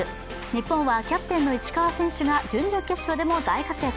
日本は、キャプテンの石川選手が準々決勝でも大活躍。